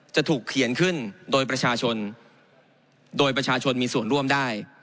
จะถูกเขียนขึ้นโดยประชาชนโดยประชาชนมีส่วนร่วมได้